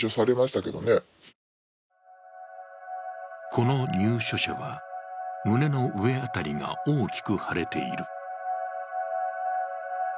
この入所者は、胸の上辺りが大きく腫れている。